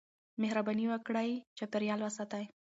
مهرباني وکړئ چاپېريال وساتئ.